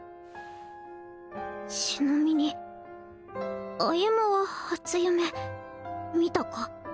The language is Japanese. ちなみに歩は初夢見たか？